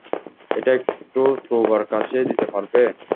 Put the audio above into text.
এটা একটু ক্রুবার কাছে দিতে পারবে?